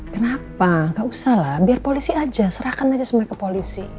kenapa gak usah lah biar polisi aja serahkan aja sama mereka polisi